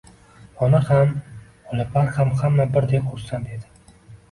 Ona ham, Olapar ham, hamma birday xursand edi